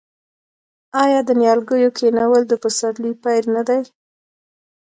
آیا د نیالګیو کینول د پسرلي پیل نه دی؟